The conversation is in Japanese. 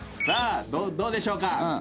さあどうでしょうか？